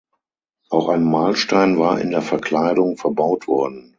Auch ein Mahlstein war in der Verkleidung verbaut worden.